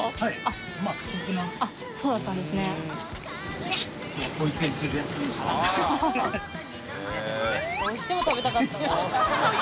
覆澆舛腓僉どうしても食べたかったんだ